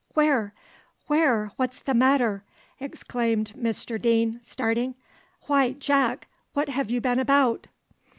"Where! where! what's the matter?" exclaimed Mr Deane, starting. "Why, Jack, what have you been about?"